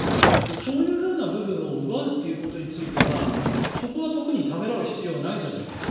そういう部分を奪うということについてはそこは特にためらう必要はないんじゃないかと。